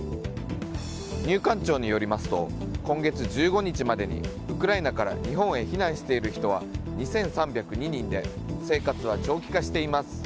入管庁によりますと今月１５日までにウクライナから日本へ避難している人は２３０２人で生活は長期化しています。